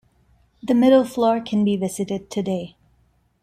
The middle floor can be visited today.